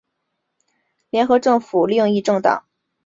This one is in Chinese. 联合政府另一政党自民党和在野工党领袖均表示支持法案。